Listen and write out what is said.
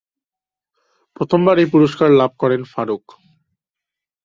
প্রথমবার এই পুরস্কার লাভ করেন ফারুক।